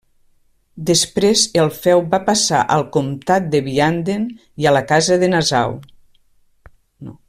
Després el feu va passar al comtat de Vianden i a la casa de Nassau.